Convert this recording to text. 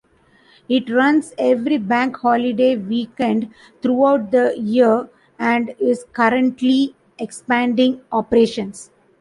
It runs every bank holiday weekend throughout the year and is currently expanding operations.